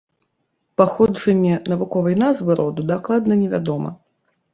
Паходжанне навуковай назвы роду дакладна невядома.